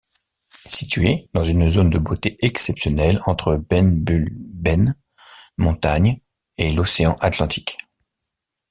Situé dans une zone de beauté exceptionnelle entre Benbulben montagne et l'Océan Atlantique.